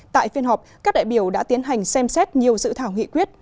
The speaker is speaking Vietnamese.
tại phiên họp các đại biểu đã tiến hành xem xét nhiều dự thảo nghị quyết